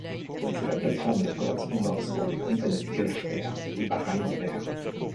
C'est la plate-forme de correspondance pour les compagnies Gulf Air et Bahrain Air.